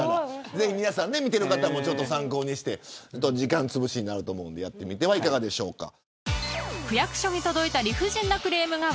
ぜひ皆さん見ている方も参考にして時間つぶしになると思うのでやってみてはいかがでしょうか。